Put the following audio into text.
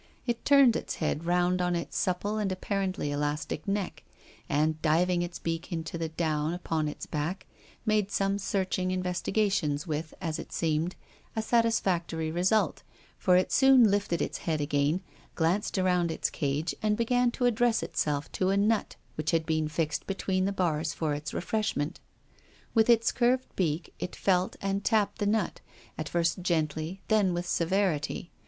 It turned its head round on its supple, and apparently elastic, neck, and, diving its beak into the down upon its back, made some search ing investigations with, as it seemed, a satisfac tory result, for it soon lifted its head again, PROFESSOR GUILDEA. 311 glanced around its cage, and began to address it self to a nut which had been fixed between the bars for its refreshment. With its curved beak it felt and tapped the nut, at first gently, then with severity.